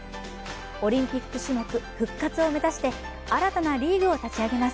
オリンピック種目復活を目指して、新たなリーグを立ち上げます。